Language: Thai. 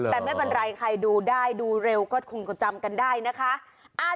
แต่ไม่เป็นไรใครดูได้ดูเร็วก็คงจะจำกันได้นะคะ